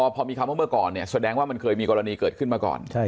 พอมีคำว่าเมื่อก่อนเนี่ยแสดงว่ามันเคยมีกรณีเกิดขึ้นมาก่อน